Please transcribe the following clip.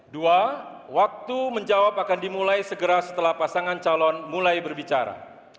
dua waktu menjawab akan dimulai segera setelah pasangan calon mulai berbicara